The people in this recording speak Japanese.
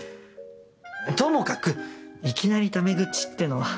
ともかくいきなりタメ口ってのは。